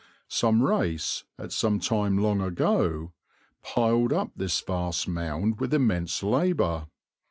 Some race, at some time long ago, piled up this vast mound with immense labour.